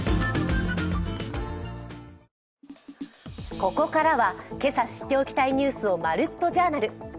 ここからは今朝知っておきたいニュースを「まるっと！Ｊｏｕｒｎａｌ」